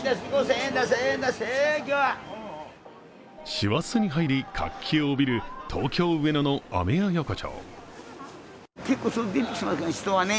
師走に入り、活気を帯びる東京・上野のアメヤ横丁。